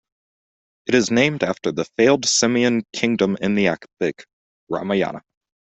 It is named after the fabled simian kingdom in the epic - Ramayana.